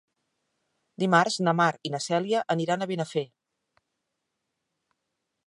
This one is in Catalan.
Dimarts na Mar i na Cèlia aniran a Benafer.